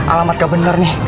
alamat gak bener nih